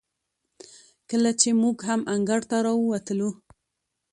کله چې موږ هم انګړ ته راووتلو،